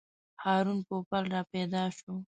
هارون پوپل راپیدا شو.